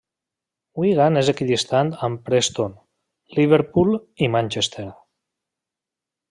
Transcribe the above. Wigan és equidistant amb Preston, Liverpool i Manchester.